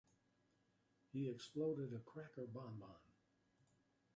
He exploded a cracker bonbon.